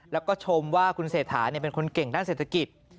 แล้วก็ชมว่าคุณเศรษฐาเป็นคนเก่งด้านเศรษฐกิจ